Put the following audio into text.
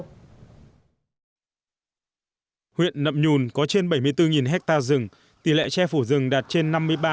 huyện nậm nhùn có trên bảy mươi bốn hectare rừng tỷ lệ che phủ rừng đạt trên năm mươi ba